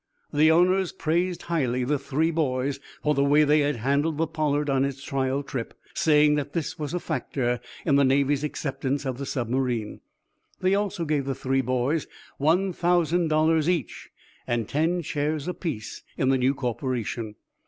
The owners praised highly the three boys for the way they had handled the "Pollard" on its trial trip, saying that this was a factor in the Navy's acceptance of the submarine. They also gave the three boys one thousand dollars each and ten shares apiece in the new corporation.